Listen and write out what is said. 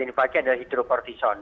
ini pakai hidroportison